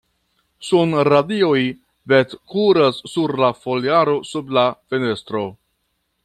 Sunradioj vetkuras sur la foliaro sub la fenestro.